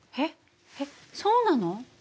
えっそうなの？